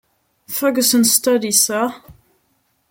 Ferguson's study, sir?